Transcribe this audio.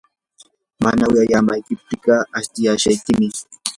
mana wiyamaptiykiqa astishaykim.